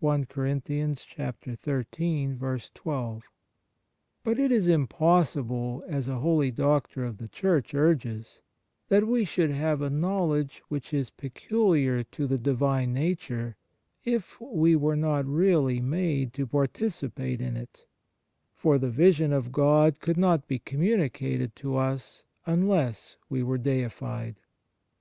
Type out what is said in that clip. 2 But it is impossible, as a holy doctor of the Church urges, that we should have a knowledge which is peculiar to the Divine Nature if we were not really made to participate in it; for the vision of God could not be communicated to us unless we were deified.